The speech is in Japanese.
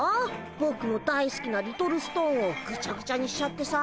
ぼくの大好きなリトルストーンをグチャグチャにしちゃってさ。